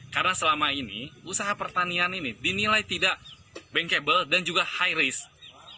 karena selama ini usaha pertanian ini dinilai tidak bankable dan juga high risk